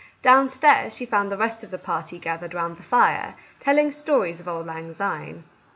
Down stairs she found the rest of the party gathered around the fire, telling stories of Auld Lang Syne.